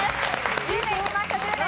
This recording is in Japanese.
１０年いきました１０年。